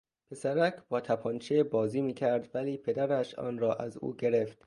پسرک با تپانچه بازی میکرد ولی پدرش آن را از او گرفت.